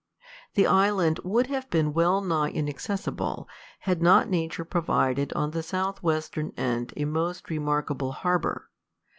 The island would have been well nigh inaccessible, had not nature provided on the south western end a most remarkable harbor.